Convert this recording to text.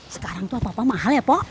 sekarang tuh apa apa mahal ya pok